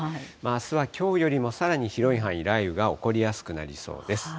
あすはきょうよりもさらに広い範囲、雷雨が起こりやすくなりそうです。